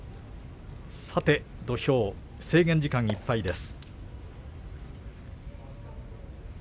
土俵上制限時間いっぱいです。